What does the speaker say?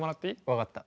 わかった。